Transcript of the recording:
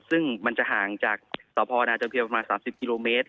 ซึ่งมันจะห่างจากสพนาจอมเพียวประมาณ๓๐กิโลเมตร